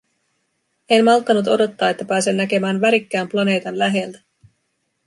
En malttanut odottaa, että pääsen näkemään värikkään planeetan läheltä.